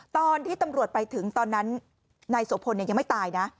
ตอนที่ตำรวจไปถึงตอนนั้นนายโสพลยังไม่ตายนะ